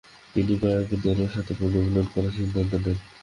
তিনি গায়কওয়াদের সাথে পুনর্মিলন করার সিদ্ধান্ত নেন।